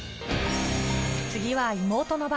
次は妹の番。